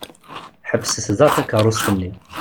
Ḥebset da takeṛṛust-nni.